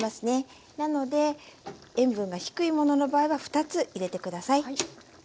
なので塩分が低いものの場合は２つ入れて下さい。